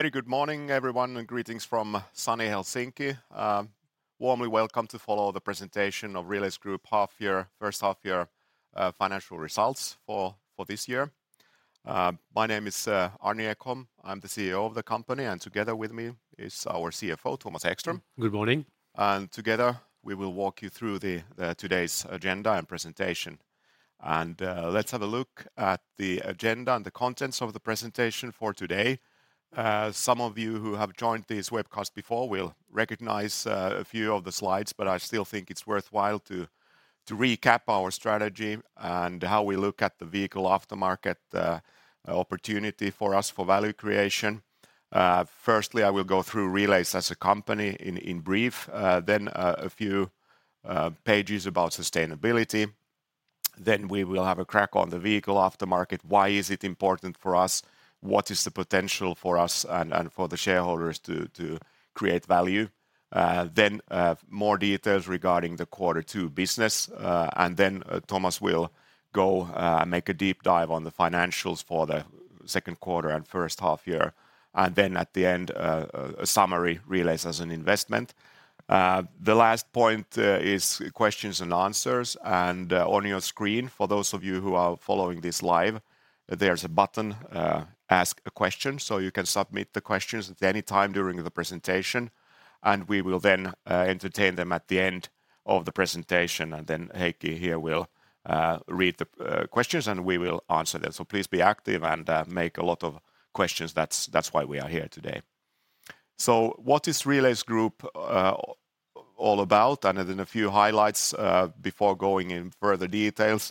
Very good morning, everyone, and greetings from sunny Helsinki. Warmly welcome to follow the presentation of Relais Group half year, first half year, financial results for this year. My name is Arni Ekholm. I'm the CEO of the company, and together with me is our CFO, Thomas Ekström. Good morning. Together, we will walk you through the today's agenda and presentation. Let's have a look at the agenda and the contents of the presentation for today. Some of you who have joined this webcast before will recognize a few of the slides, but I still think it's worthwhile to recap our strategy and how we look at the vehicle aftermarket opportunity for us for value creation. Firstly, I will go through Relais as a company in brief, then a few pages about sustainability. We will have a crack on the vehicle aftermarket. Why is it important for us? What is the potential for us and for the shareholders to create value? Then more details regarding the Quarter 2 business, and then Thomas will go and make a deep dive on the financials for the second quarter and first half year. Then at the end, a summary, Relais as an investment. The last point is questions and answers. On your screen, for those of you who are following this live, there's a button, Ask a Question, so you can submit the questions at any time during the presentation, and we will then entertain them at the end of the presentation. Then Heikki here will read the questions, and we will answer them. Please be active and make a lot of questions. That's, that's why we are here today. What is Relais Group all about? A few highlights before going in further details.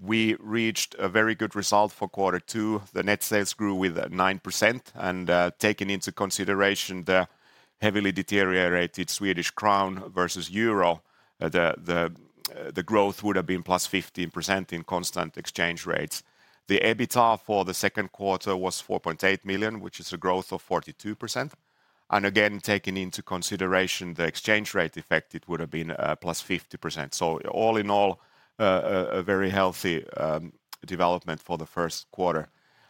We reached a very good result for Quarter 2. The net sales grew with 9%, and taking into consideration the heavily deteriorated Swedish krona versus euro, the growth would have been +15% in constant exchange rates. The EBITDA for the second quarter was 4.8 million, which is a growth of 42%. Again, taking into consideration the exchange rate effect, it would have been +50%. All in all, a very healthy development for the first quarter.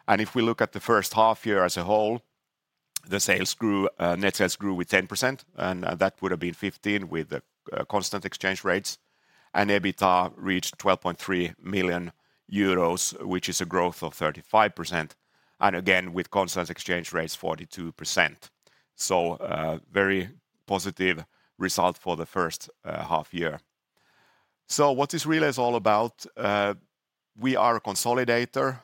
If we look at the first half year as a whole, the sales grew, net sales grew with 10%, and that would have been 15 with the constant exchange rates. EBITDA reached 12.3 million euros, which is a growth of 35%, and again, with constant exchange rates, 42%. Very positive result for the first half year. What is Relais all about? We are a consolidator,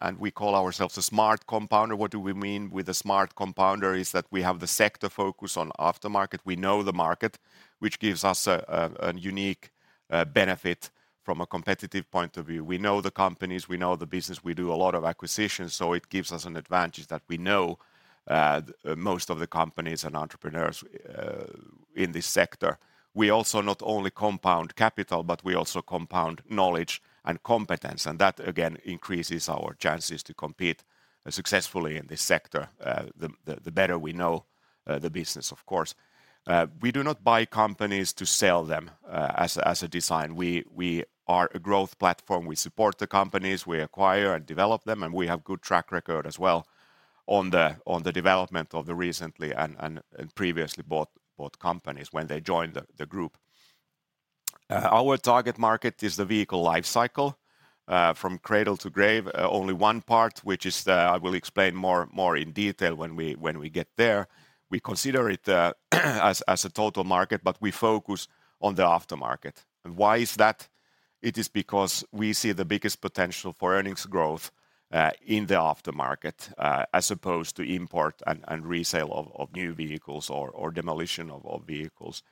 and we call ourselves a smart compounder. What do we mean with a smart compounder? Is that we have the sector focus on aftermarket. We know the market, which gives us an unique benefit from a competitive point of view. We know the companies, we know the business. We do a lot of acquisitions, it gives us an advantage that we know most of the companies and entrepreneurs in this sector. We also not only compound capital, but we also compound knowledge and competence. That, again, increases our chances to compete successfully in this sector, the better we know the business, of course. We do not buy companies to sell them as a design. We are a growth platform. We support the companies, we acquire and develop them. We have good track record as well on the development of the recently and previously bought companies when they joined the group. Our target market is the vehicle life cycle from cradle to grave. Only one part, which is the... I will explain more in detail when we get there. We consider it as a total market. We focus on the aftermarket. Why is that? It is because we see the biggest potential for earnings growth in the aftermarket, as opposed to import and resale of new vehicles or demolition of vehicles.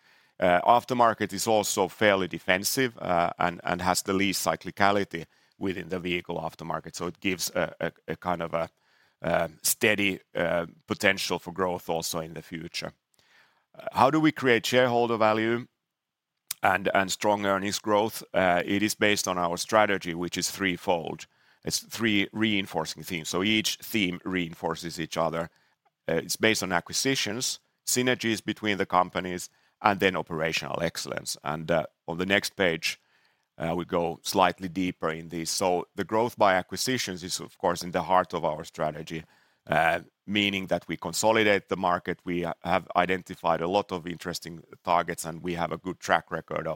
Aftermarket is also fairly defensive and has the least cyclicality within the vehicle aftermarket, so it gives a kind of a steady potential for growth also in the future. How do we create shareholder value and strong earnings growth? It is based on our strategy, which is threefold. It's three reinforcing themes, so each theme reinforces each other. It's based on acquisitions, synergies between the companies, and then operational excellence. On the next page, we go slightly deeper in this. The growth by acquisitions is of course, in the heart of our strategy, meaning that we consolidate the market, we have identified a lot of interesting targets, and we have a good track record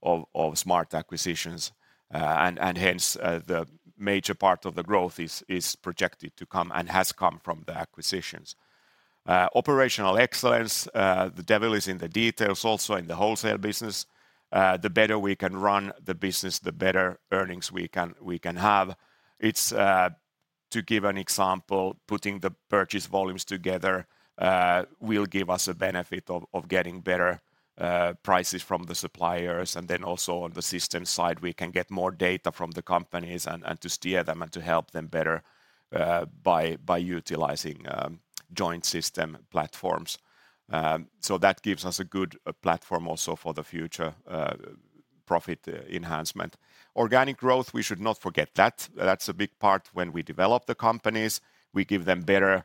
of smart acquisitions. Hence, the major part of the growth is projected to come and has come from the acquisitions. Operational excellence, the devil is in the details, also in the wholesale business. The better we can run the business, the better earnings we can have. It's to give an example, putting the purchase volumes together, will give us a benefit of getting better prices from the suppliers. Then also on the system side, we can get more data from the companies and, and to steer them and to help them better by, by utilizing joint system platforms. That gives us a good platform also for the future profit enhancement. Organic growth, we should not forget that. That's a big part when we develop the companies, we give them better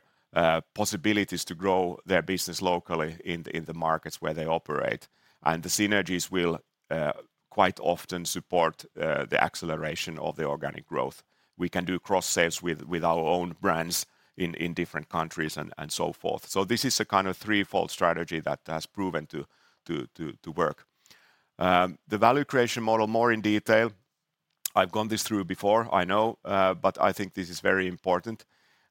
possibilities to grow their business locally in the, in the markets where they operate. The synergies will quite often support the acceleration of the organic growth. We can do cross sales with, with our own brands in, in different countries and, and so forth. This is a kind of threefold strategy that has proven to, to, to, to work. The value creation model, more in detail, I've gone this through before, I know, but I think this is very important.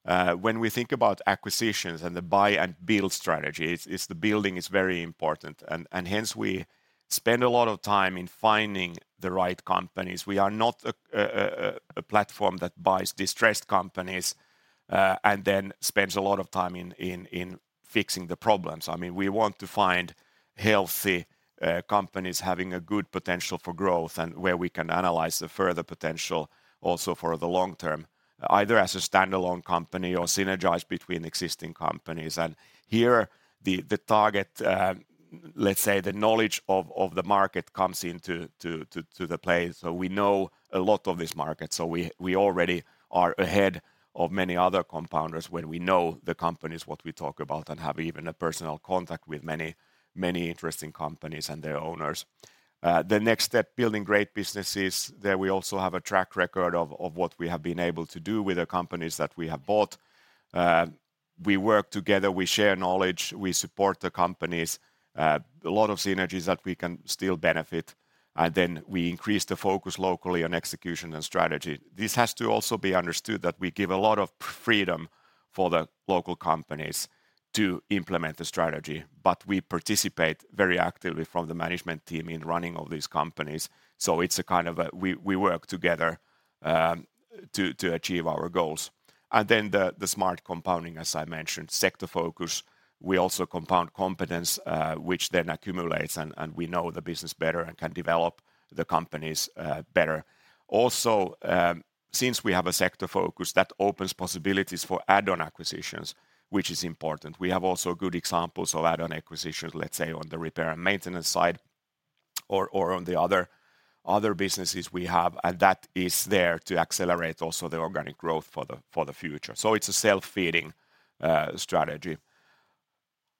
When we think about acquisitions and the buy and build strategy, it's, it's the building is very important, and, and hence we spend a lot of time in finding the right companies. We are not a, a, a, a platform that buys distressed companies, and then spends a lot of time in, in, in fixing the problems. I mean, we want to find healthy companies having a good potential for growth and where we can analyze the further potential also for the long term, either as a standalone company or synergize between existing companies. And here, the, the target, let's say, the knowledge of, of the market comes into to, to, to the play. We know a lot of this market, so we, we already are ahead of many other compounders when we know the companies, what we talk about, and have even a personal contact with many, many interesting companies and their owners. The next step, building great businesses. There we also have a track record of, of what we have been able to do with the companies that we have bought. We work together, we share knowledge, we support the companies, a lot of synergies that we can still benefit, and then we increase the focus locally on execution and strategy. This has to also be understood that we give a lot of freedom for the local companies to implement the strategy, but we participate very actively from the management team in running of these companies. It's a kind of a. We, we work together to, to achieve our goals. The, the smart compounding, as I mentioned, sector focus. We also compound competence, which then accumulates, and, and we know the business better and can develop the companies better. Since we have a sector focus, that opens possibilities for add-on acquisitions, which is important. We have also good examples of add-on acquisitions, let's say, on the repair and maintenance side, or, or on the other, other businesses we have, and that is there to accelerate also the organic growth for the, for the future. It's a self-feeding strategy.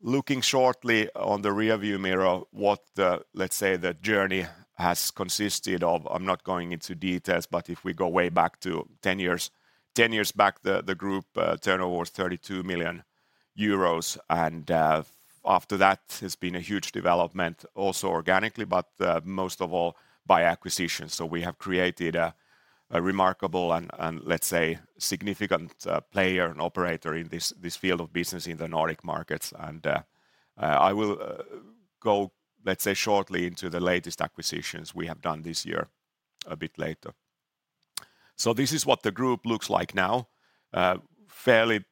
Looking shortly on the rearview mirror, what the, let's say, the journey has consisted of, I'm not going into details, but if we go way back to 10 years, 10 years back, the group turnover was 32 million euros, after that, it's been a huge development, also organically, but most of all, by acquisition. We have created a remarkable and, let's say, significant player and operator in this, this field of business in the Nordic markets. I will go, let's say, shortly into the latest acquisitions we have done this year a bit later. This is what the group looks like now. Fairly,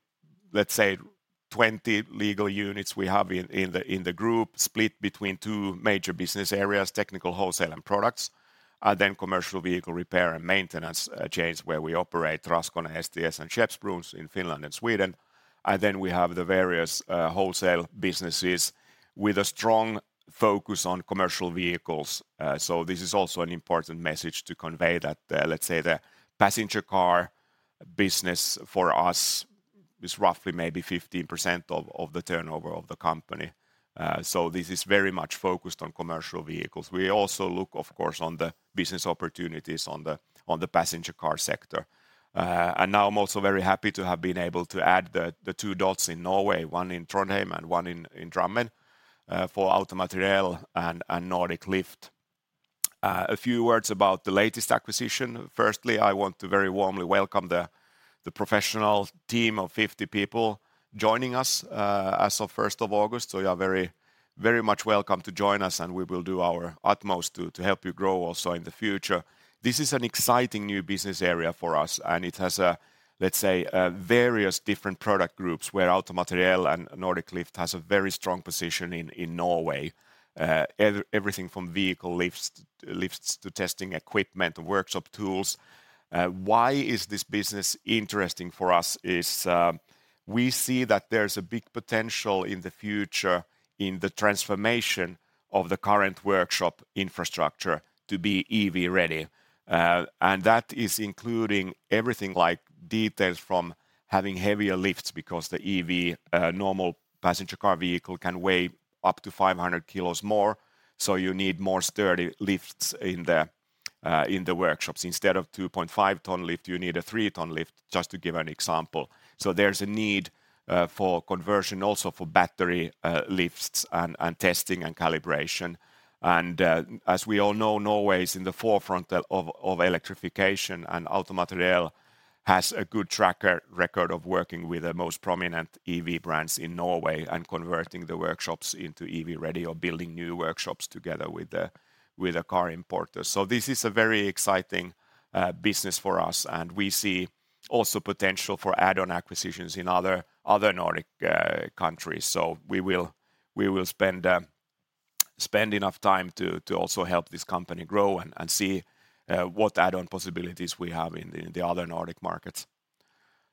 let's say, 20 legal units we have in, in the, in the group, split between two major business areas, technical wholesale and products, and then commercial vehicle repair and maintenance chains, where we operate Raskone, STS, and Skeppsbrons in Finland and Sweden. We have the various wholesale businesses with a strong focus on commercial vehicles. This is also an important message to convey that, let's say, the passenger car business for us is roughly maybe 15% of, of the turnover of the company. This is very much focused on commercial vehicles. We also look, of course, on the business opportunities on the, on the passenger car sector. Now I'm also very happy to have been able to add the, the two dots in Norway, one in Trondheim and one in, in Drammen, for AutoMateriell and Nordic Lift. A few words about the latest acquisition. Firstly, I want to very warmly welcome the, the professional team of 50 people joining us, as of 1st of August. You are very, very much welcome to join us, and we will do our utmost to, to help you grow also in the future. This is an exciting new business area for us, and it has a, let's say, various different product groups, where AutoMateriell and Nordic Lift has a very strong position in, in Norway. Everything from vehicle lifts, lifts to testing equipment, workshop tools. Why is this business interesting for us? We see that there's a big potential in the future in the transformation of the current workshop infrastructure to be EV ready, and that is including everything like details from having heavier lifts, because the EV normal passenger car vehicle can weigh up to 500 kilos more, so you need more sturdy lifts in the workshops. Instead of 2.5-ton lift, you need a 3-ton lift, just to give an example. There's a need for conversion, also for battery lifts and testing and calibration. As we all know, Norway is in the forefront of electrification, and AutoMateriell has a good record of working with the most prominent EV brands in Norway and converting the workshops into EV ready or building new workshops together with the car importer. This is a very exciting business for us, and we see also potential for add-on acquisitions in other, other Nordic countries. We will, we will spend enough time to, to also help this company grow and, and see what add-on possibilities we have in the, the other Nordic markets.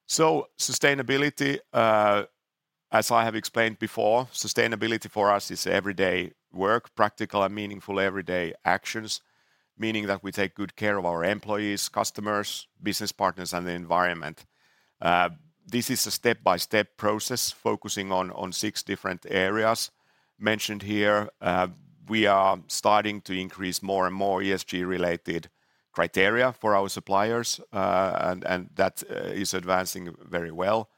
Sustainability, as I have explained before, sustainability for us is everyday work, practical and meaningful everyday actions, meaning that we take good care of our employees, customers, business partners, and the environment. This is a step-by-step process focusing on, on six different areas mentioned here. We are starting to increase more and more ESG-related criteria for our suppliers, and, and that is advancing very well.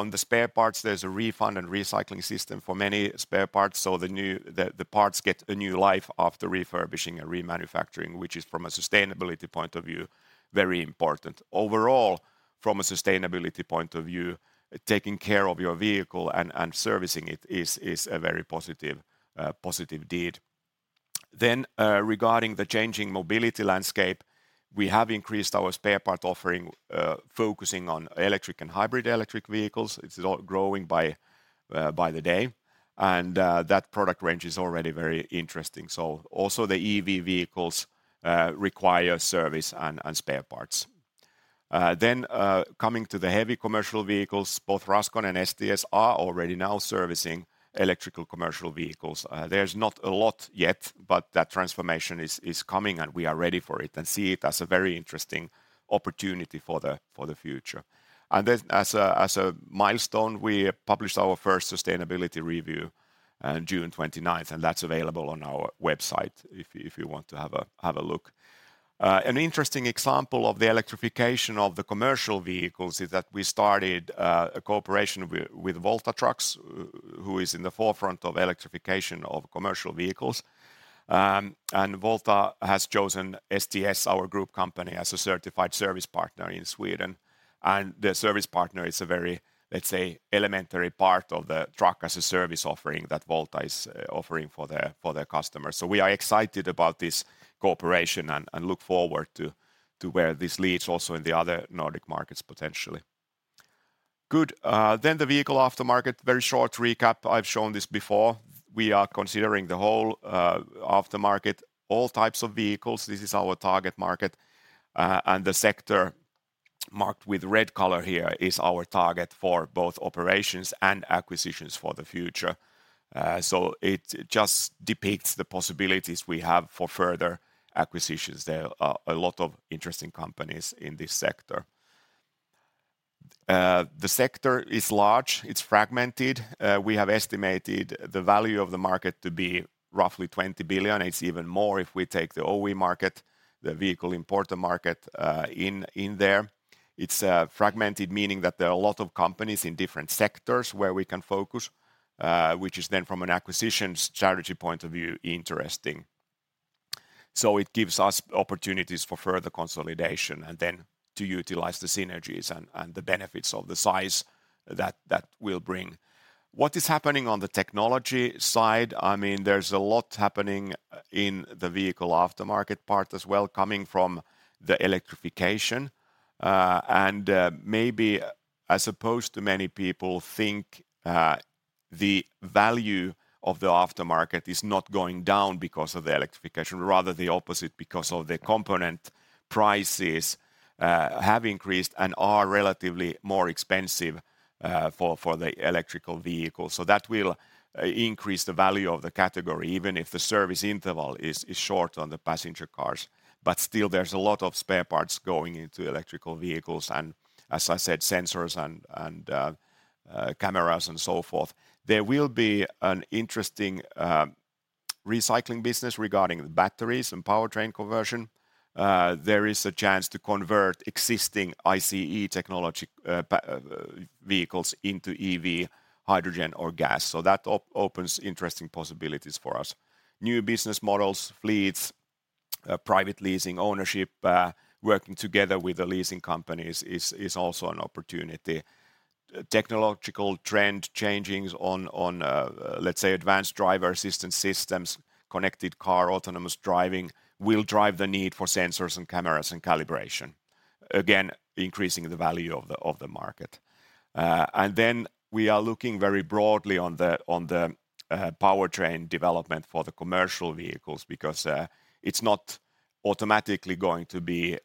On the spare parts, there's a refund and recycling system for many spare parts, so the parts get a new life after refurbishing and remanufacturing, which is, from a sustainability point of view, very important. Overall, from a sustainability point of view, taking care of your vehicle and servicing it is a very positive, positive deed. Regarding the changing mobility landscape, we have increased our spare part offering, focusing on electric and hybrid electric vehicles. It's growing by the day, and that product range is already very interesting. Also the EV vehicles require service and spare parts. Coming to the heavy commercial vehicles, both Raskone and STS are already now servicing electrical commercial vehicles. There's not a lot yet, but that transformation is, is coming, and we are ready for it, and see it as a very interesting opportunity for the- for the future. As a, as a milestone, we published our first sustainability review on June 29th, and that's available on our website if you, if you want to have a, have a look. An interesting example of the electrification of the commercial vehicles is that we started a cooperation with Volta Trucks, who is in the forefront of electrification of commercial vehicles. Volta has chosen STS, our group company, as a certified service partner in Sweden, and the service partner is a very, let's say, elementary part of the truck as a service offering that Volta is offering for their- for their customers. We are excited about this cooperation and look forward to where this leads also in the other Nordic markets, potentially. Good. The vehicle aftermarket. Very short recap. I've shown this before. We are considering the whole aftermarket, all types of vehicles. This is our target market, and the sector marked with red color here is our target for both operations and acquisitions for the future. It just depicts the possibilities we have for further acquisitions. There are a lot of interesting companies in this sector. The sector is large, it's fragmented. We have estimated the value of the market to be roughly 20 billion. It's even more if we take the OE market, the vehicle importer market, in there. It's fragmented, meaning that there are a lot of companies in different sectors where we can focus, which is then from an acquisition strategy point of view, interesting. It gives us opportunities for further consolidation, and then to utilize the synergies and, and the benefits of the size that, that will bring. What is happening on the technology side? I mean, there's a lot happening in the vehicle aftermarket part as well, coming from the electrification. Maybe as opposed to many people think, the value of the aftermarket is not going down because of the electrification, rather the opposite, because of the component prices, have increased and are relatively more expensive, for, for the electrical vehicle. That will increase the value of the category, even if the service interval is, is short on the passenger cars. Still, there's a lot of spare parts going into electrical vehicles, and as I said, sensors and cameras, and so forth. There will be an interesting recycling business regarding the batteries and powertrain conversion. There is a chance to convert existing ICE technology vehicles into EV, hydrogen or gas. That opens interesting possibilities for us. New business models, fleets, private leasing, ownership, working together with the leasing companies is also an opportunity. Technological trend changings on, on, let's say, advanced driver-assistance systems, connected car, autonomous driving, will drive the need for sensors and cameras and calibration, again, increasing the value of the market. We are looking very broadly on the powertrain development for the commercial vehicles because it's not automatically going to be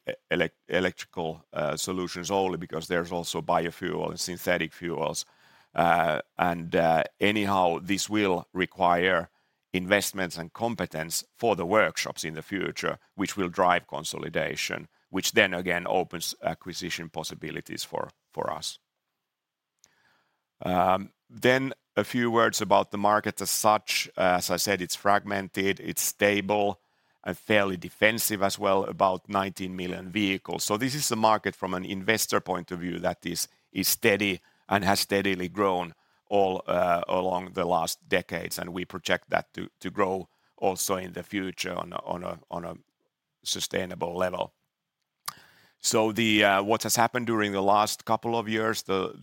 electrical solutions only, because there's also biofuel and synthetic fuels. Anyhow, this will require investments and competence for the workshops in the future, which will drive consolidation, which then again opens acquisition possibilities for us. A few words about the market as such. As I said, it's fragmented, it's stable, and fairly defensive as well, about 19 million vehicles. This is a market from an investor point of view that is steady and has steadily grown all along the last decades, and we project that to grow also in the future on a sustainable level. What has happened during the last couple of years, the,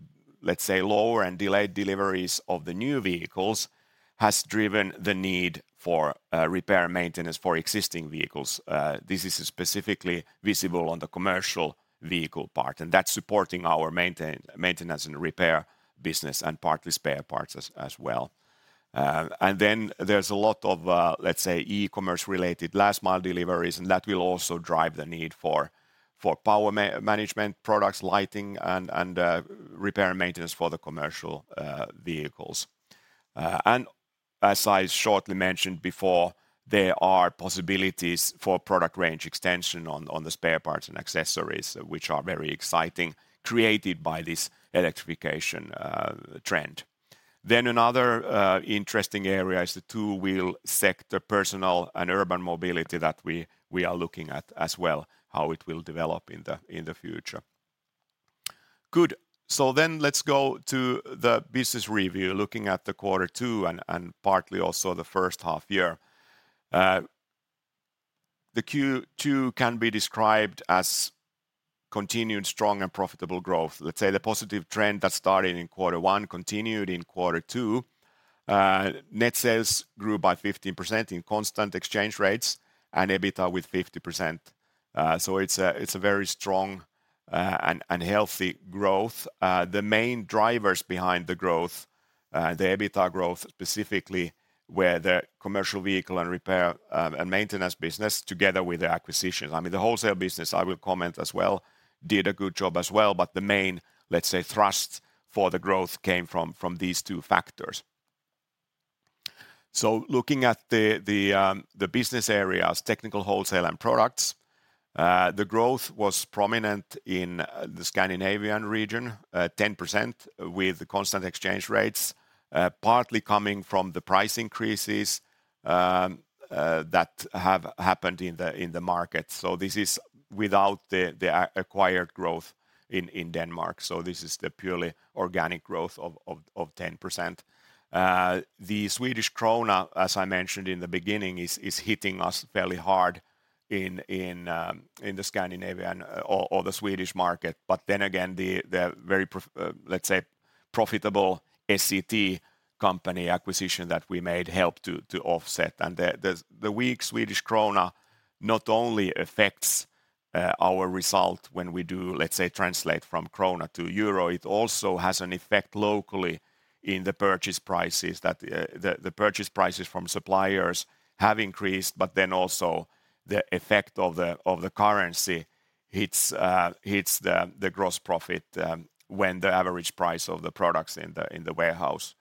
let's say, lower and delayed deliveries of the new vehicles, has driven the need for repair and maintenance for existing vehicles. This is specifically visible on the commercial vehicle part, and that's supporting our maintain- maintenance and repair business, and partly spare parts as, as well.... Then there's a lot of, let's say, e-commerce related last mile deliveries, and that will also drive the need for, for power ma- management products, lighting, and, and, repair and maintenance for the commercial vehicles. As I shortly mentioned before, there are possibilities for product range extension on, on the spare parts and accessories, which are very exciting, created by this electrification trend. Another interesting area is the two-wheel sector, personal and urban mobility that we, we are looking at as well, how it will develop in the future. Good. Let's go to the business review, looking at the quarter two and partly also the first half-year. The Q2 can be described as continued strong and profitable growth. Let's say the positive trend that started in quarter one continued in quarter two. Net sales grew by 15% in constant exchange rates, and EBITDA with 50%. It's a, it's a very strong and healthy growth. The main drivers behind the growth, the EBITDA growth specifically, were the commercial vehicle and repair and maintenance business together with the acquisition. I mean, the wholesale business, I will comment as well, did a good job as well, but the main, let's say, thrust for the growth came from, from these two factors. Looking at the, the, the business areas, technical wholesale and products, the growth was prominent in the Scandinavian region, 10% with the constant exchange rates, partly coming from the price increases, that have happened in the, in the market. This is without the acquired growth in, in Denmark. This is the purely organic growth of, of, of 10%. The Swedish krona, as I mentioned in the beginning, is, is hitting us fairly hard in, in, in the Scandinavian or, or the Swedish market. Then again, the, the very let's say, profitable S-E-T A/S company acquisition that we made helped to, to offset. The, the, the weak Swedish krona not only affects our result when we do, let's say, translate from krona to euro, it also has an effect locally in the purchase prices, that the, the purchase prices from suppliers have increased, but then also the effect of the, of the currency hits the, the gross profit, when the average price of the products in the, in the warehouse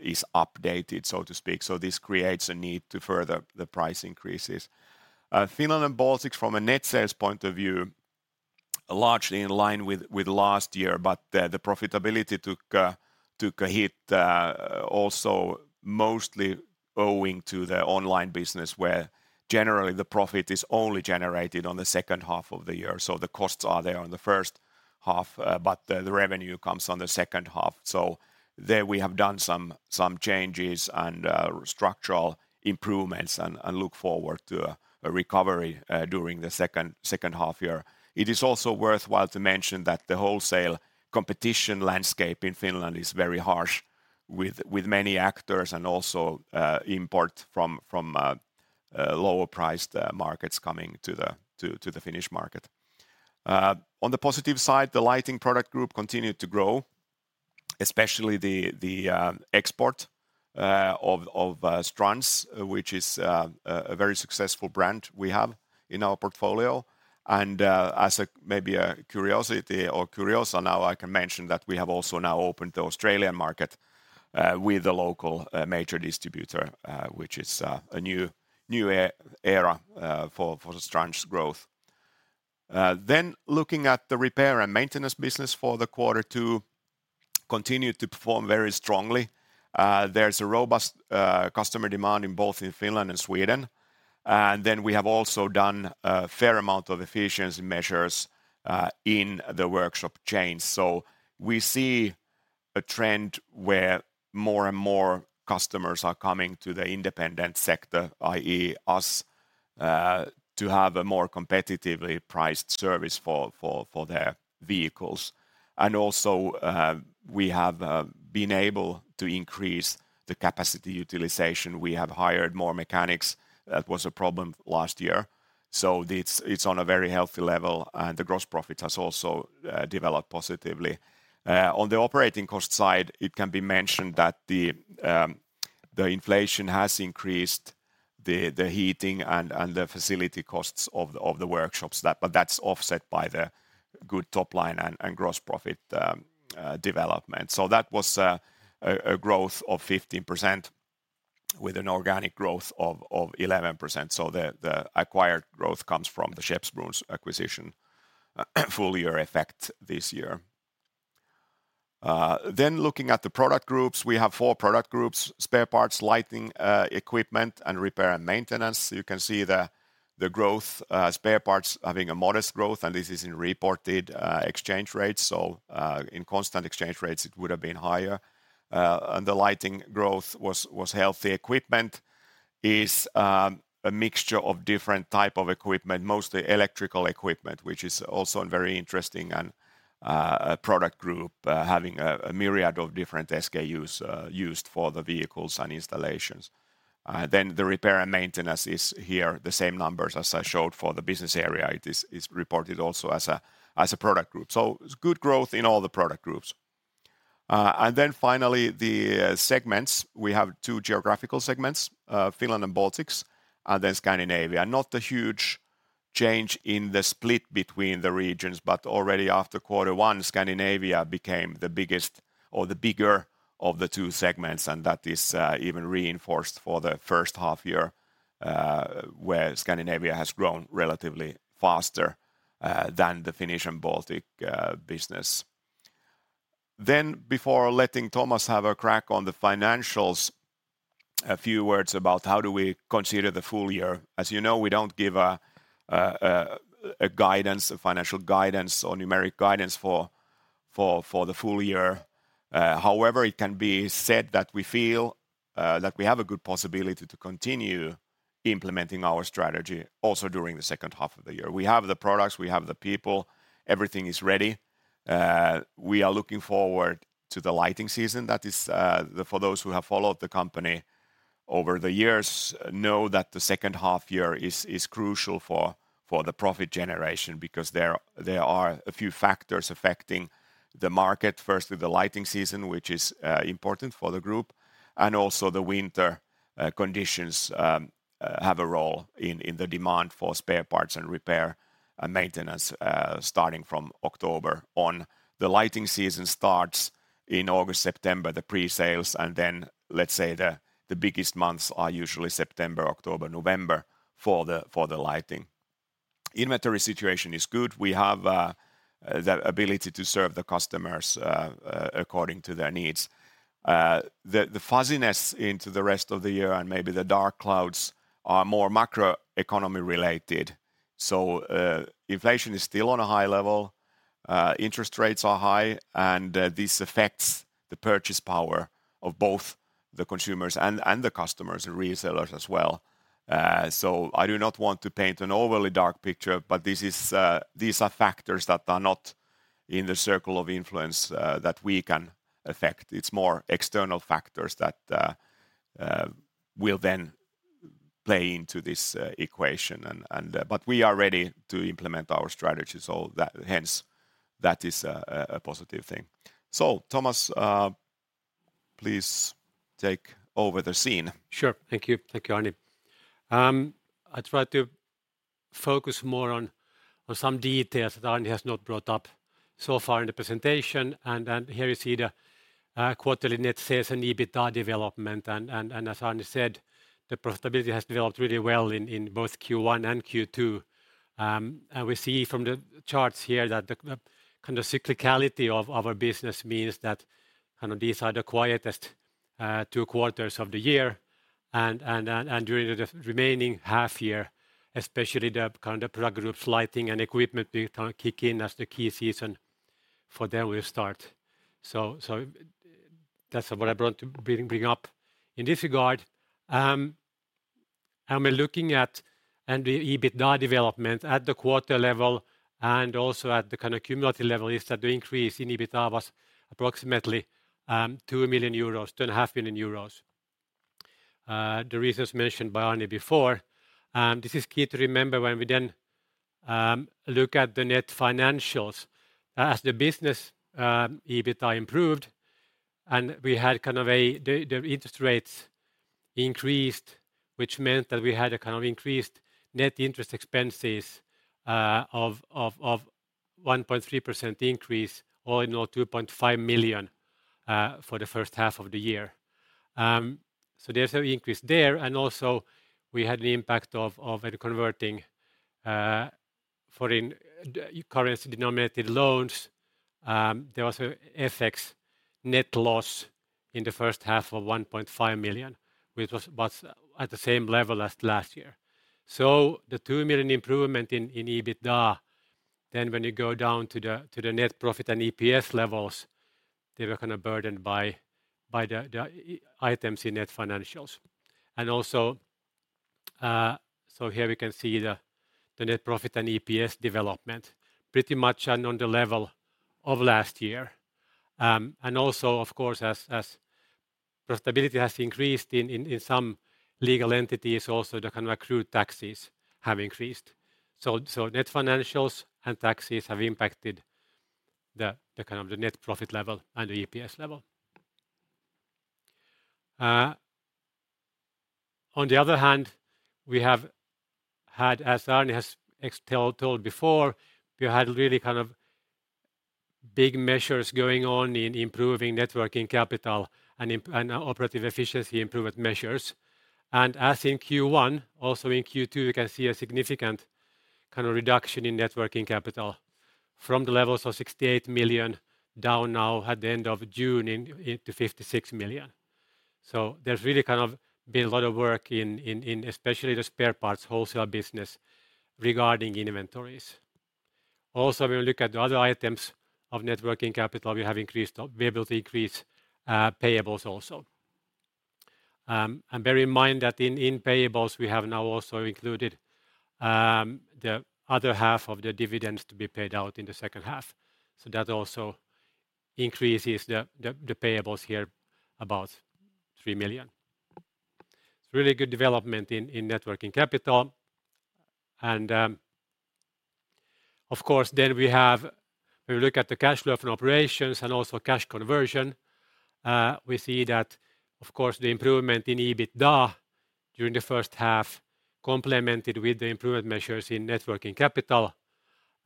is updated, so to speak. This creates a need to further the price increases. Finland and Baltics, from a net sales point of view, largely in line with, with last year, but the, the profitability took a, took a hit, also mostly owing to the online business, where generally the profit is only generated on the second half of the year. The costs are there on the first half, but the, the revenue comes on the second half. There we have done some, some changes and structural improvements and, and look forward to a recovery during the second, second half year. It is also worthwhile to mention that the wholesale competition landscape in Finland is very harsh with, with many actors and also import from, from lower priced markets coming to the, to, to the Finnish market. On the positive side, the lighting product group continued to grow, especially the, the export of of Strands, which is a very successful brand we have in our portfolio. As a maybe a curiosity or curiosa, now I can mention that we have also now opened the Australian market with a local major distributor, which is a new new era for the Strands growth. Looking at the repair and maintenance business for the quarter two, continued to perform very strongly. There's a robust customer demand in both in Finland and Sweden. We have also done a fair amount of efficiency measures in the workshop chains. We see a trend where more and more customers are coming to the independent sector, i.e., us, to have a more competitively priced service for their vehicles. We have been able to increase the capacity utilization. We have hired more mechanics. That was a problem last year. It's, it's on a very healthy level, and the gross profit has also developed positively. On the operating cost side, it can be mentioned that the, the inflation has increased the, the heating and, and the facility costs of the, of the workshops that-- but that's offset by the good top line and, and gross profit development. That was a, a growth of 15%, with an organic growth of, of 11%. The, the acquired growth comes from the Skeppsbrons acquisition, full year effect this year. Then looking at the 4 product groups: spare parts, lighting, equipment, and repair and maintenance. You can see the, the growth, spare parts having a modest growth, and this is in reported exchange rates, so, in constant exchange rates, it would have been higher. The lighting growth was healthy. Equipment is a mixture of different type of equipment, mostly electrical equipment, which is also a very interesting and product group, having a myriad of different SKUs used for the vehicles and installations. The repair and maintenance is here, the same numbers as I showed for the business area. It is reported also as a product group. It's good growth in all the product groups. Finally, the segments. We have two geographical segments, Finland and Baltics, and then Scandinavia. Not a huge change in the split between the regions, but already after quarter one, Scandinavia became the biggest or the bigger of the two segments, and that is even reinforced for the first half year, where Scandinavia has grown relatively faster than the Finnish and Baltic business. Before letting Thomas have a crack on the financials, a few words about how do we consider the full year? As you know, we don't give a guidance, a financial guidance or numeric guidance for the full year. However, it can be said that we feel that we have a good possibility to continue implementing our strategy also during the second half of the year. We have the products, we have the people, everything is ready. We are looking forward to the lighting season. That is, the for those who have followed the company over the years, know that the second half year is, is crucial for, for the profit generation because there, there are a few factors affecting the market. Firstly, the lighting season, which is important for the group, and also the winter conditions have a role in the demand for spare parts and repair and maintenance, starting from October on. The lighting season starts in August, September, the pre-sales, and then let's say the biggest months are usually September, October, November for the lighting. Inventory situation is good. We have the ability to serve the customers according to their needs. The fuzziness into the rest of the year and maybe the dark clouds are more macroeconomy related. Inflation is still on a high level, interest rates are high, and this affects the purchase power of both the consumers and the customers and resellers as well. I do not want to paint an overly dark picture, but this is. These are factors that are not in the circle of influence that we can affect. It's more external factors that will then play into this equation and. We are ready to implement our strategy, so hence, that is a positive thing. Thomas, please take over the scene. Sure. Thank you. Thank you, Arni. I try to focus more on some details that Arni has not brought up so far in the presentation. Here you see the quarterly net sales and EBITDA development. As Arni said, the profitability has developed really well in both Q1 and Q2. We see from the charts here that the kind of cyclicality of our business means that these are the quietest two quarters of the year, and during the remaining half year, especially the product groups, lighting and equipment, they kick in as the key season for their will start. That's what I want to bring up in this regard. We're looking at the EBITDA development at the quarter level and also at the kind of cumulative level, is that the increase in EBITDA was approximately 2 million euros, 2.5 million euros. The reasons mentioned by Arni before, and this is key to remember when we then look at the net financials. As the business EBITDA improved, and we had kind of a... The, the interest rates increased, which meant that we had a kind of increased net interest expenses of, of, of 1.3% increase or, you know, 2.5 million for the first half of the year. There's an increase there, and also we had the impact of, of converting foreign currency-denominated loans. There was a FX net loss in the first half of 1.5 million, which was, was at the same level as last year. The 2 million improvement in, in EBITDA, then when you go down to the, to the net profit and EPS levels, they were kind of burdened by, by the, the items in net financials. Here we can see the, the net profit and EPS development pretty much on, on the level of last year. Also, of course, as, as profitability has increased in, in, in some legal entities, also the kind of accrued taxes have increased. Net financials and taxes have impacted the, the kind of the net profit level and the EPS level. On the other hand, we have had, as Arni has told, told before, we had really kind of big measures going on in improving net working capital and operative efficiency improvement measures. As in Q1, also in Q2, you can see a significant kind of reduction in net working capital from the levels of 68 million down now at the end of June into 56 million. There's really kind of been a lot of work in especially the spare parts wholesale business regarding inventories. Also, we will look at the other items of net working capital. We are able to increase payables also. Bear in mind that in payables, we have now also included the other half of the dividends to be paid out in the second half. That also. increases the, the, the payables here about 3 million. It's really good development in, in net working capital. Of course, then we have, when we look at the cash flow from operations and also cash conversion, we see that, of course, the improvement in EBITDA during the first half complemented with the improvement measures in net working capital,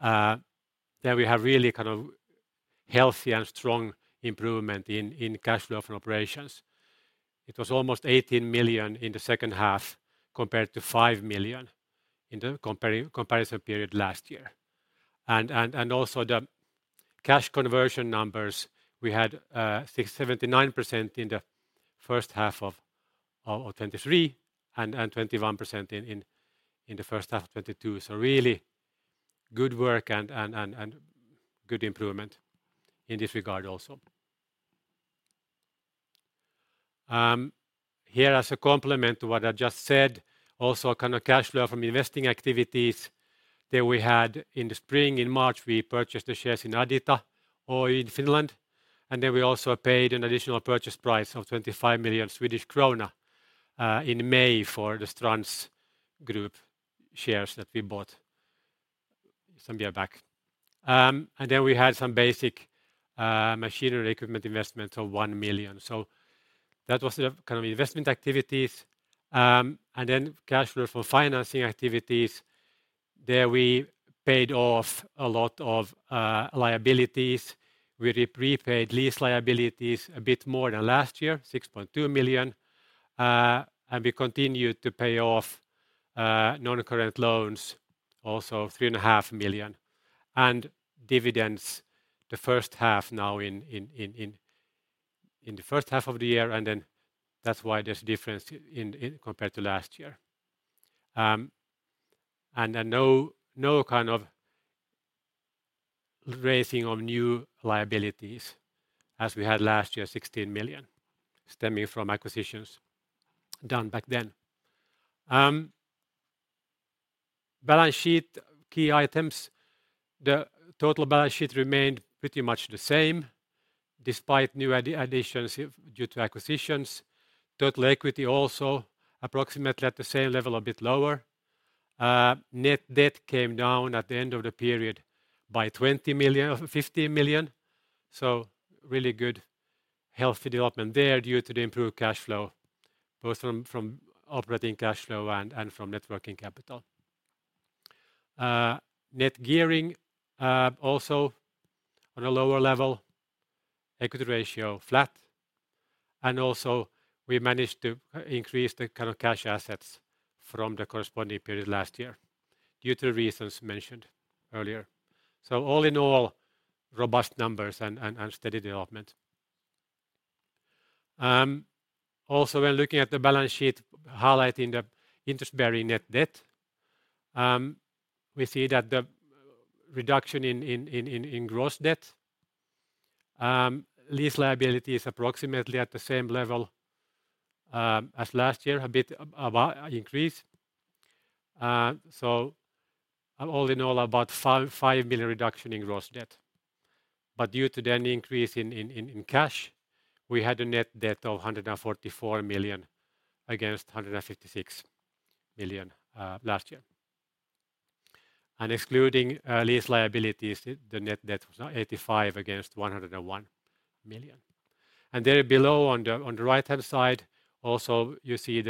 then we have really kind of healthy and strong improvement in, in cash flow from operations. It was almost 18 million in the second half compared to 5 million in the comparison period last year. Also the cash conversion numbers, we had, 79% in the first half of 2023, and 21% in, in, in the first half of 2022. So really good work and, and, and, and good improvement in this regard also. Here, as a complement to what I just said, also kind of cash flow from investing activities that we had in the spring. In March, we purchased the shares in Adita, or in Finland, and then we also paid an additional purchase price of 25 million Swedish krona in May for the Strands Group shares that we bought some year back. We had some basic machinery equipment investment of 1 million Swedish krona. That was the kind of investment activities. Cash flow for financing activities, there we paid off a lot of liabilities. We re- prepaid lease liabilities a bit more than last year, 6.2 million Swedish krona. We continued to pay off non-current loans, also 3.5 million, and dividends the first half now in the first half of the year, and then that's why there's a difference compared to last year. No, no kind of raising of new liabilities as we had last year, 16 million, stemming from acquisitions done back then. Balance sheet key items: The total balance sheet remained pretty much the same, despite new additions due to acquisitions. Total equity also approximately at the same level, a bit lower. Net debt came down at the end of the period by 20 million... 15 million. Really good, healthy development there due to the improved cash flow, both from operating cash flow and from net working capital. net gearing also on a lower level, equity ratio flat, and also we managed to increase the kind of cash assets from the corresponding period last year due to the reasons mentioned earlier. All in all, robust numbers and steady development. Also, when looking at the balance sheet, highlighting the interest-bearing net debt, we see that the reduction in gross debt, lease liability is approximately at the same level as last year, a bit increase. All in all, about 5 million reduction in gross debt. Due to then the increase in cash, we had a net debt of 144 million against 156 million last year. Excluding lease liabilities, the net debt was now 85 million against 101 million. There below, on the, on the right-hand side, also, you see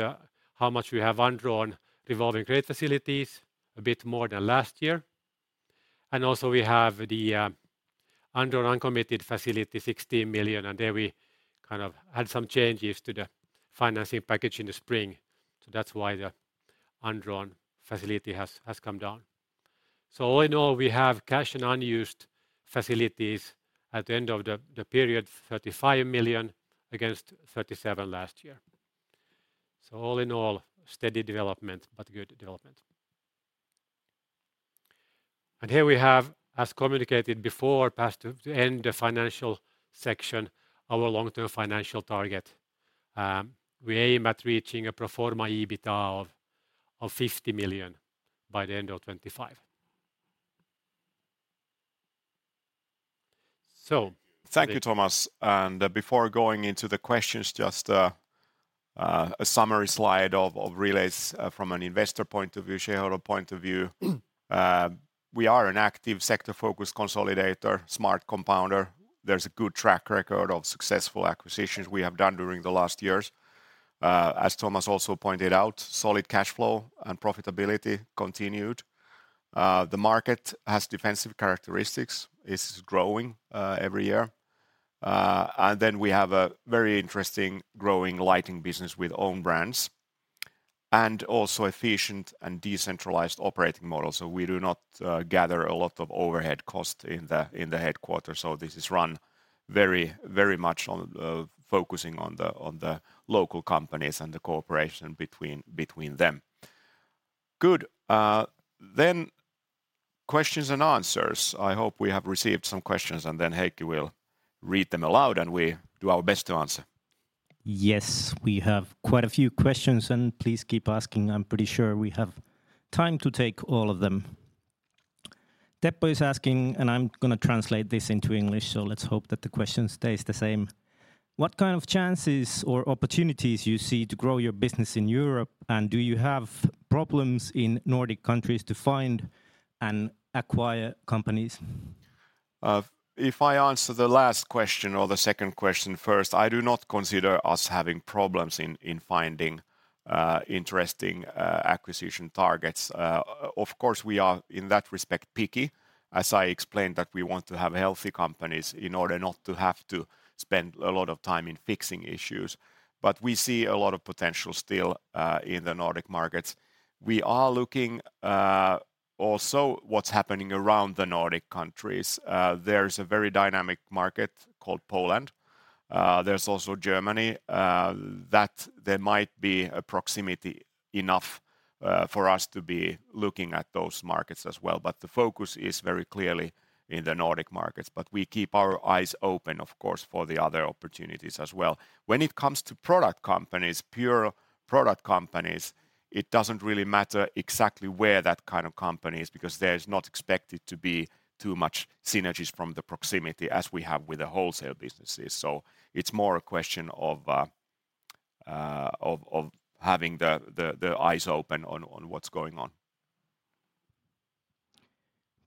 how much we have undrawn revolving credit facilities, a bit more than last year. Also we have the undrawn, uncommitted facility, 16 million, and there we kind of had some changes to the financing package in the spring. That's why the undrawn facility has come down. All in all, we have cash and unused facilities at the end of the period, 35 million against 37 million last year. All in all, steady development, but good development. Here we have, as communicated before, past to end the financial section, our long-term financial target. We aim at reaching a pro forma EBITDA of 50 million by the end of 2025. Thank you, Thomas. Before going into the questions, just a summary slide of Relais from an investor point of view, shareholder point of view. Mm. We are an active, sector-focused consolidator, smart compounder. There's a good track record of successful acquisitions we have done during the last years. As Thomas also pointed out, solid cash flow and profitability continued. The market has defensive characteristics, is growing every year. Then we have a very interesting, growing lighting business with own brands, and also efficient and decentralized operating model. We do not gather a lot of overhead cost in the headquarters, so this is run very, very much on focusing on the local companies and the cooperation between them. Good. Questions and answers. I hope we have received some questions, and then Heikki will read them aloud, and we do our best to answer. Yes, we have quite a few questions, and please keep asking. I'm pretty sure we have time to take all of them. Teppo is asking, and I'm gonna translate this into English, so let's hope that the question stays the same: "What kind of chances or opportunities you see to grow your business in Europe, and do you have problems in Nordic countries to find and acquire companies? If I answer the last question or the second question first, I do not consider us having problems in finding interesting acquisition targets. Of course, we are, in that respect, picky, as I explained that we want to have healthy companies in order not to have to spend a lot of time in fixing issues. We see a lot of potential still in the Nordic markets. We are looking also what's happening around the Nordic countries. There's a very dynamic market called Poland. There's also Germany. That there might be a proximity enough for us to be looking at those markets as well, but the focus is very clearly in the Nordic markets. We keep our eyes open, of course, for the other opportunities as well. When it comes to product companies, pure product companies, it doesn't really matter exactly where that kind of company is because there is not expected to be too much synergies from the proximity as we have with the wholesale businesses. It's more a question of, of having the, the, the eyes open on, on what's going on.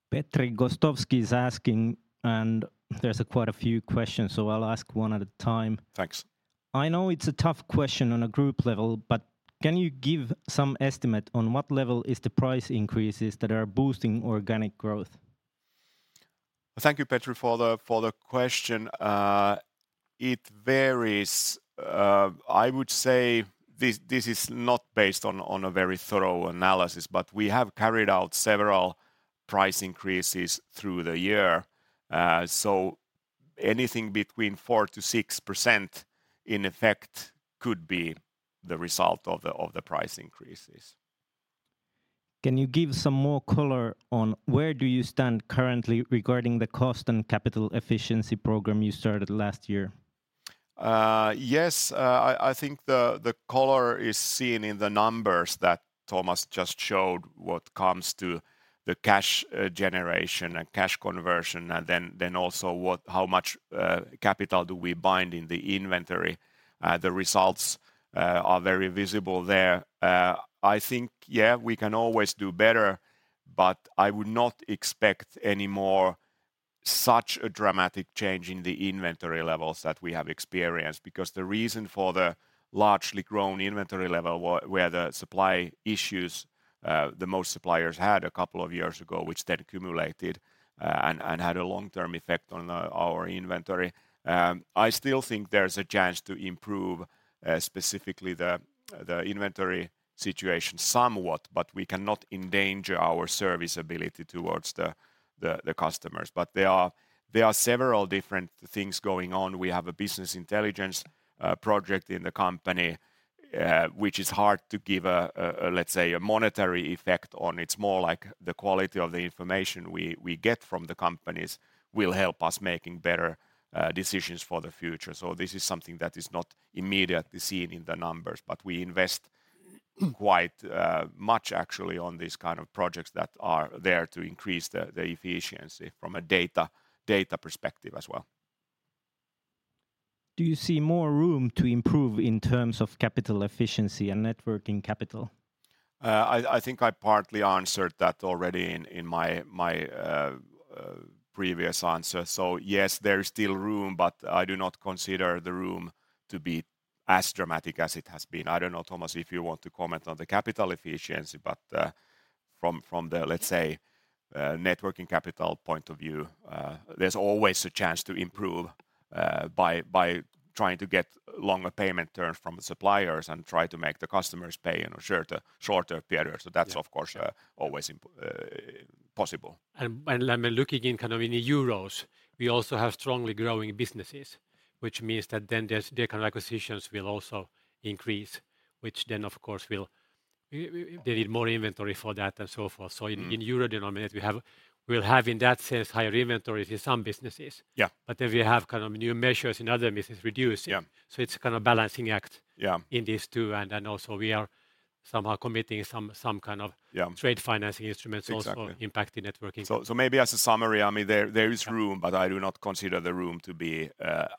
Petri Gostavski is asking, and there's, quite a few questions, so I'll ask one at a time. Thanks. I know it's a tough question on a group level, but can you give some estimate on what level is the price increases that are boosting organic growth? Thank you, Petri, for the, for the question. It varies. I would say this, this is not based on, on a very thorough analysis, but we have carried out several price increases through the year. Anything between 4%-6%, in effect, could be the result of the, of the price increases. Can you give some more color on where do you stand currently regarding the cost and capital efficiency program you started last year? Yes, I think the color is seen in the numbers that Thomas just showed, what comes to the cash generation and cash conversion, and then also how much capital do we bind in the inventory. The results are very visible there. I think, yeah, we can always do better, but I would not expect any more such a dramatic change in the inventory levels that we have experienced, because the reason for the largely grown inventory level were the supply issues that most suppliers had a couple of years ago, which then accumulated and had a long-term effect on our inventory. I still think there's a chance to improve specifically the inventory situation somewhat, but we cannot endanger our service ability towards the customers. There are, there are several different things going on. We have a business intelligence project in the company, which is hard to give a, let's say, a monetary effect on. It's more like the quality of the information we, we get from the companies will help us making better decisions for the future. This is something that is not immediately seen in the numbers, but we invest quite much actually on these kind of projects that are there to increase the efficiency from a data, data perspective as well. Do you see more room to improve in terms of capital efficiency and net working capital? I, I think I partly answered that already in, in my, my previous answer. Yes, there is still room, but I do not consider the room to be as dramatic as it has been. I don't know, Thomas, if you want to comment on the capital efficiency, but from, from the, let's say, net working capital point of view, there's always a chance to improve by, by trying to get longer payment terms from the suppliers and try to make the customers pay in a shorter, shorter period. Yeah. That's, of course, always possible. When looking in kind of in euros, we also have strongly growing businesses, which means that then there's... The acquisitions will also increase, which then, of course, will... They need more inventory for that and so forth. Mm. In, in Euro denominated, we'll have, in that sense, higher inventories in some businesses. Yeah. Then we have kind of new measures, and other businesses reduce. Yeah. It's kind of a balancing act- Yeah... in these two, and then also we are somehow committing some kind of- Yeah... trade financing instruments also- Exactly... impacting networking. So maybe as a summary, I mean, there, there is room, but I do not consider the room to be,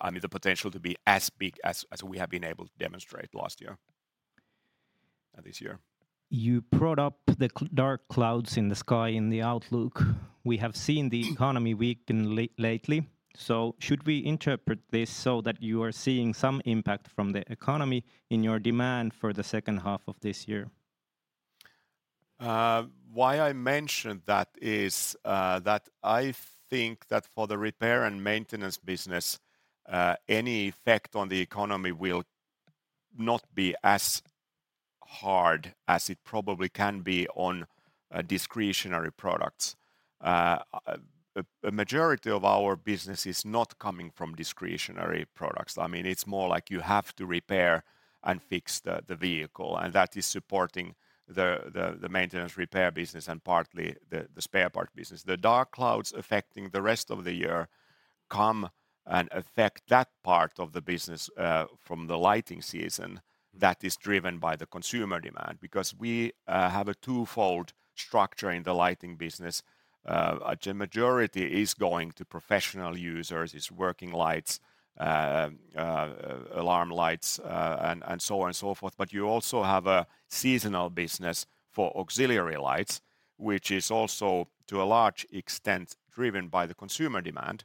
I mean, the potential to be as big as, as we have been able to demonstrate last year, this year. You brought up the dark clouds in the sky in the outlook. We have seen the economy weaken lately, should we interpret this so that you are seeing some impact from the economy in your demand for the second half of this year? Why I mentioned that is, that I think that for the repair and maintenance business, any effect on the economy will not be as hard as it probably can be on discretionary products. A majority of our business is not coming from discretionary products. I mean, it's more like you have to fix the, the vehicle, and that is supporting the, the, the maintenance repair business and partly the, the spare part business. The dark clouds affecting the rest of the year come and affect that part of the business, from the lighting season that is driven by the consumer demand. Because we have a twofold structure in the lighting business, a majority is going to professional users. It's working lights, alarm lights, and, and so on and so forth. You also have a seasonal business for auxiliary lights, which is also, to a large extent, driven by the consumer demand.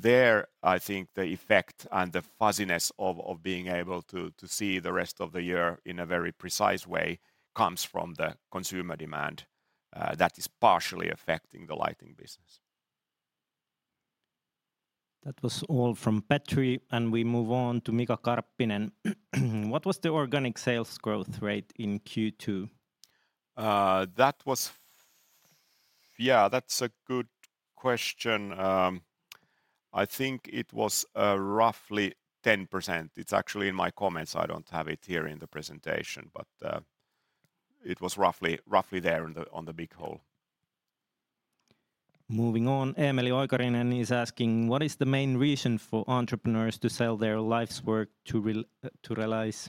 There, I think the effect and the fuzziness of, of being able to, to see the rest of the year in a very precise way comes from the consumer demand that is partially affecting the lighting business. That was all from Petri. We move on to Mika Karppinen. What was the organic sales growth rate in Q2? That was... Yeah, that's a good question. I think it was roughly 10%. It's actually in my comments. I don't have it here in the presentation, but it was roughly, roughly there on the, on the big whole. Moving on, Emilia Oikarinen is asking: What is the main reason for entrepreneurs to sell their life's work to to Relais?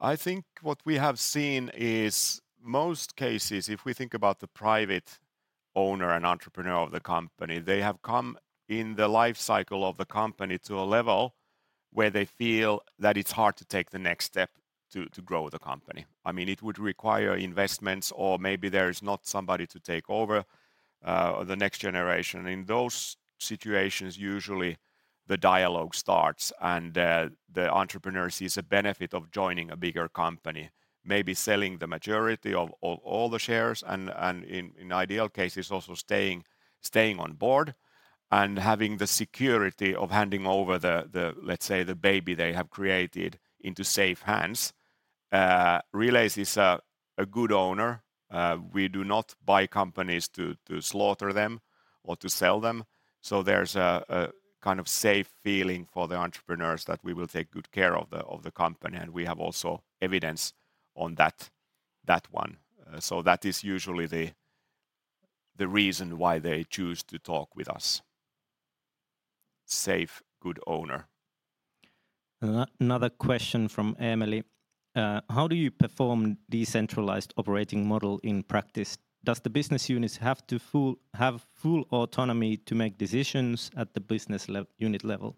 I think what we have seen is most cases, if we think about the private owner and entrepreneur of the company, they have come in the life cycle of the company to a level where they feel that it's hard to take the next step to grow the company. I mean, it would require investments or maybe there is not somebody to take over the next generation. In those situations, usually the dialogue starts and the entrepreneur sees a benefit of joining a bigger company. Maybe selling the majority of all the shares and in ideal cases, also staying on board and having the security of handing over the, let's say, the baby they have created into safe hands. Relais is a good owner. We do not buy companies to, to slaughter them or to sell them. There's a, a kind of safe feeling for the entrepreneurs that we will take good care of the, of the company, and we have also evidence on that, that one. That is usually the, the reason why they choose to talk with us. Safe, good owner. Another question from Emily. How do you perform decentralized operating model in practice? Does the business units have to have full autonomy to make decisions at the business unit level?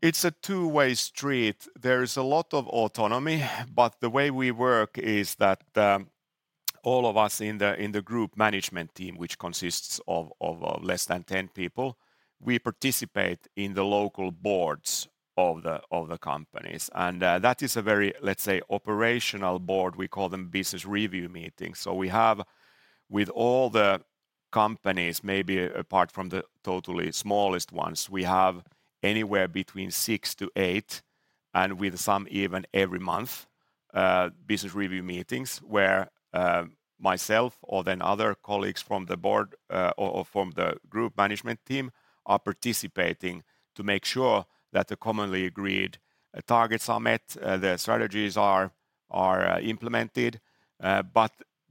It's a two-way street. There is a lot of autonomy, but the way we work is that all of us in the, in the group management team, which consists of, of less than 10 people, we participate in the local boards of the, of the companies, and that is a very, let's say, operational board. We call them business review meetings. We have, with all the companies, maybe apart from the totally smallest ones, we have anywhere between 6-8, and with some even every month, business review meetings, where myself or then other colleagues from the board, or, or from the group management team are participating to make sure that the commonly agreed targets are met, the strategies are, are implemented.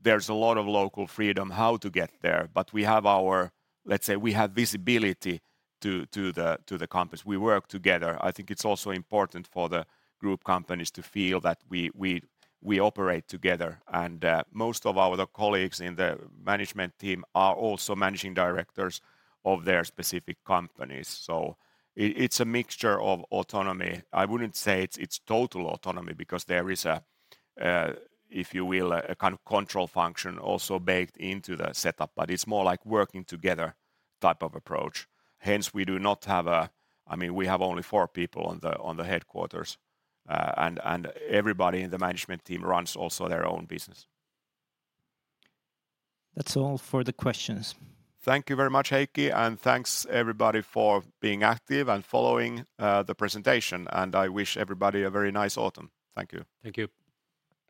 There's a lot of local freedom how to get there, but we have our... Let's say we have visibility to the companies. We work together. I think it's also important for the group companies to feel that we operate together, and most of our colleagues in the management team are also managing directors of their specific companies. So it's a mixture of autonomy. I wouldn't say it's total autonomy because there is, if you will, a kind of control function also baked into the setup, but it's more like working together type of approach. Hence, we do not have. I mean, we have only four people on the headquarters, and everybody in the management team runs also their own business. That's all for the questions. Thank you very much, Heikki, and thanks, everybody, for being active and following the presentation, and I wish everybody a very nice autumn. Thank you. Thank you.